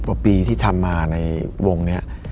กว่าปีที่ทำมาในวงนี้